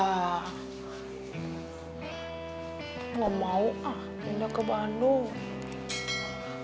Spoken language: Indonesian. nggak mau ah pindah ke bandung